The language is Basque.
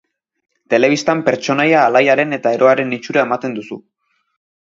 Telebistan pertsonaia alaiaren eta eroaren itxura ematen duzu.